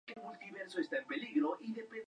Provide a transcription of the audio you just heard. La hendidura puede ser de diferentes longitudes.